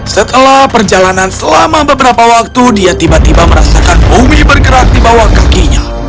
setelah perjalanan selama beberapa waktu dia tiba tiba merasakan bumi bergerak di bawah kakinya